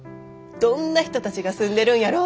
どんな人たちが住んでるんやろうって。